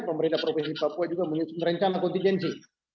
pemerintah provinsi papua juga merencana kontingensi